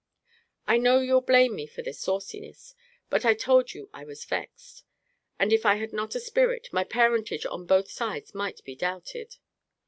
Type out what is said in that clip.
I know you'll blame me for this sauciness but I told you I was vexed; and if I had not a spirit, my parentage on both sides might be doubted.